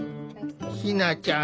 ひなちゃん